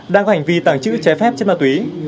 đang hành vi tàng trữ trái phép trên ma túy